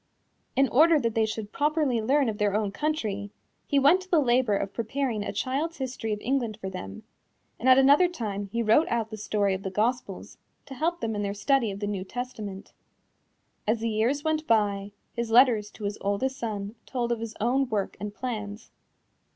In order that they should properly learn of their own country, he went to the labor of preparing a Child's History of England for them, and at another time he wrote out the story of the Gospels, to help them in their study of the New Testament. As the years went by, his letters to his oldest son told of his own work and plans.